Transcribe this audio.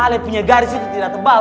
anda punya garis itu tidak tebal